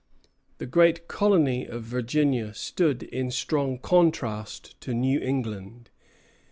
The great colony of Virginia stood in strong contrast to New England.